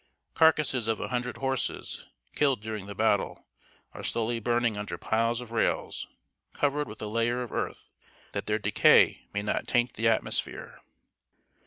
Carcasses of a hundred horses, killed during the battle, are slowly burning under piles of rails, covered with a layer of earth, that their decay may not taint the atmosphere.